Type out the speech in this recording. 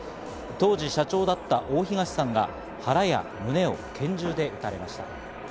当時、社長だった大東さんが腹や胸を拳銃で撃たれました。